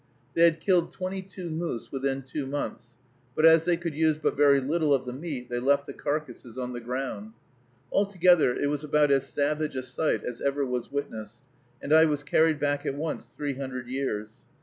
They had killed twenty two moose within two months, but, as they could use but very little of the meat, they left the carcases on the ground. Altogether it was about as savage a sight as was ever witnessed, and I was carried back at once three hundred years.